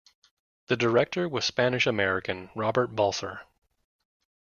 The director was Spanish-American Robert Balser.